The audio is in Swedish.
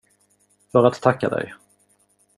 För att tacka dig.